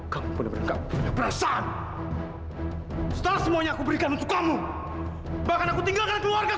kamu bener bener enggak punya perasaan setelah semuanya aku berikan untuk kamu bahkan aku tinggalkan keluarga